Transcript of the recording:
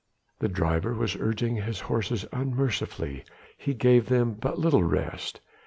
The driver was urging his horses unmercifully: he gave them but little rest.